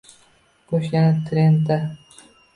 Go'sht yana trendda